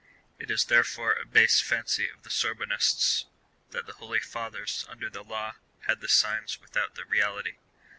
It is therefore a base fancy of the Sorbonists, that the holy fathers under the law had the signs without the reality.